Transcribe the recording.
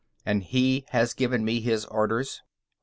And he has given me his orders.